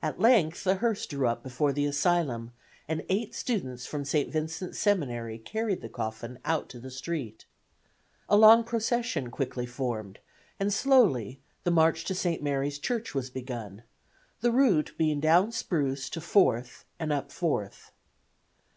At length the hearse drew up before the asylum, and eight students from St. Vincent's Seminary carried the coffin out to the street. A long procession quickly formed and slowly the march to St. Mary's Church was begun, the route being down Spruce to Fourth and up Fourth.